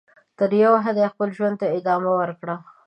تر یوه حده یې خپل ژوند ته ادامه ورکړه.